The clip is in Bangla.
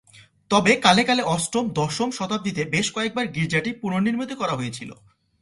তবে কালে কালে, অষ্টম-দশম শতাব্দীতে বেশ কয়েকবার গির্জাটি পুনর্নির্মিত করা হয়েছিল।